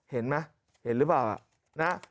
เห็นไหมเห็นหรือเปล่านะ